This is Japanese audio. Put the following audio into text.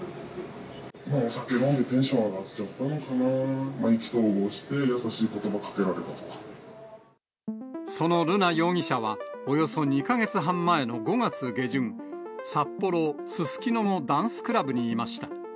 お酒飲んでテンション上がっちゃったのかな、意気投合して、その瑠奈容疑者は、およそ２か月半前の５月下旬、札幌・すすきののダンスクラブにいました。